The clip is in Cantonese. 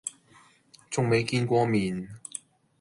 仲未見過面